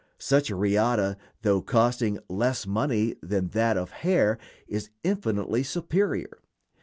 Such a riata, though costing less money than that of hair, is infinitely superior.